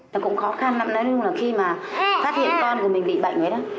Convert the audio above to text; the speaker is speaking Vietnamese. cũng khó khăn lắm nói luôn là khi mà phát hiện con của mình bị bệnh ấy đó